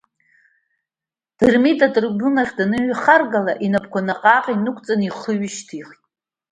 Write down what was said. Дырмит атрибунахь даныҩхаргала, инапқәа наҟ-ааҟ инықәиҵан, ихы ҩышьҭихын.